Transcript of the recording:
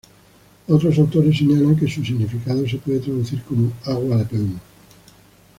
Otros autores señalan que su significado se puede traducir como "Agua de Peumo".